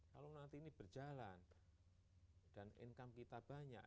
kalau nanti ini berjalan dan income kita banyak